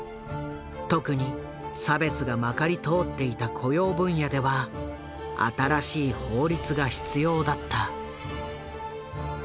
特に差別がまかり通っていた雇用分野では新しい法律が必要だった。